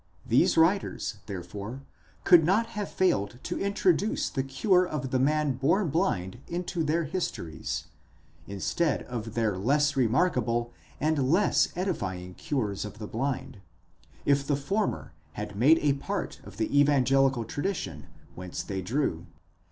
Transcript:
These writers, therefore, could not have failed to introduce the cure of the man born blind into their histories, instead of their less remarkable and less edifying cures of the blind, if the former had made a part of the evangelical tradition whence they drew.